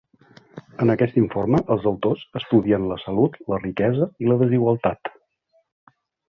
En aquest informe, els autors estudien la salut, la riquesa i la desigualtat.